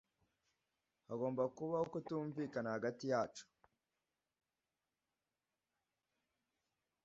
Hagomba kubaho kutumvikana hagati yacu.